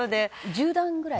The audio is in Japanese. １０段ぐらい。